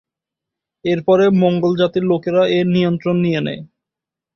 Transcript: এরপরে মঙ্গোল জাতির লোকেরা এর নিয়ন্ত্রণ নিয়ে নেয়।